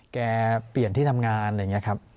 แกเปลี่ยนที่ทำงานอะไรอย่างนี้ครับ